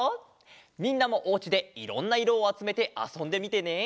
みんなもおうちでいろんないろをあつめてあそんでみてね。